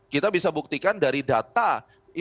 kita bisa buktikan dari data investor di bursa ini